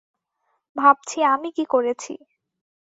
ভাবছি আমি কী করেছি।